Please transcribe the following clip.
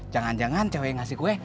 jangan jangan cewek ngasih kue